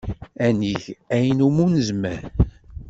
Ad neg ayen umi nezmer.